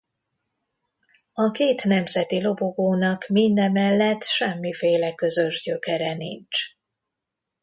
A két nemzeti lobogónak mindemellett semmiféle közös gyökere nincs.